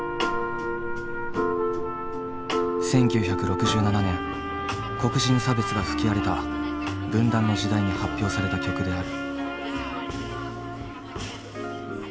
１９６７年黒人差別が吹き荒れた分断の時代に発表された曲である。